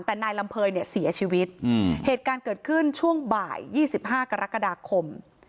แต่นายลำเภยเนี่ยเสียชีวิตเหตุการณ์เกิดขึ้นช่วงบ่าย๒๕กรกฎาคม